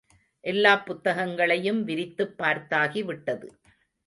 எல்லாப் புத்தகங்களையும் விரித்துப் பார்த்தாகி விட்டது.